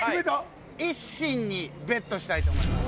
イッシンにＢＥＴしたいと思います。